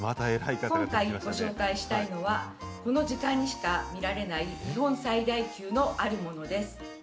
今回ご紹介したいのは、この時間にしか見られない日本最大級のあるモノです。